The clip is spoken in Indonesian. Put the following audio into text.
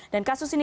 dan kasus ini